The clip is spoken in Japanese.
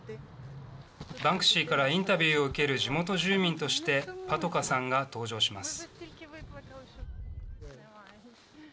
バンクシーからインタビューを受ける地元住民としてパトカさんが登場します。